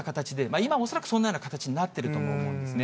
今恐らくそんなような形になっていると思うんですね。